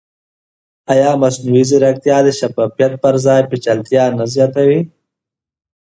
ایا مصنوعي ځیرکتیا د شفافیت پر ځای پېچلتیا نه زیاتوي؟